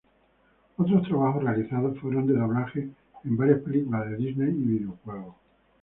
Otros trabajos realizados fueron de doblaje en varias películas de Disney y videojuegos.